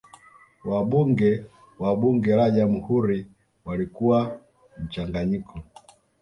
wabunge wa bunge la jamhuri walikuwa mchanganyiko